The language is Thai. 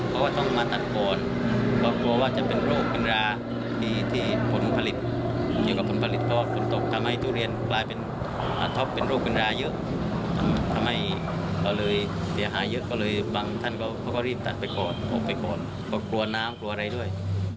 เขาก็รีบตัดไปก่อนอบไปก่อนเพราะกลัวน้ำกลัวอะไรด้วย